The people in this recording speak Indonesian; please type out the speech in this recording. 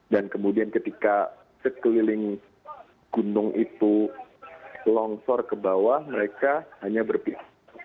dan kemudian ketika sekeliling gunung itu longsor ke bawah mereka hanya berpikir